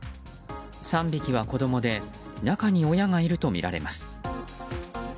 ３匹は子供で中に親がいるとみられます。